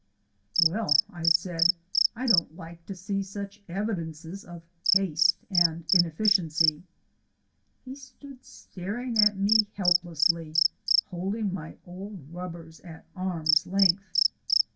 "Well," I said, "I don't like to see such evidences of haste and inefficiency." He stood staring at me helplessly, holding my old rubbers at arm's length.